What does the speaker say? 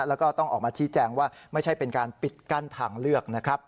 แล้วก็ต้องออกมาชี้แจงว่าไม่ใช่เป็นการปิดกั้นทางเลือกนะครับ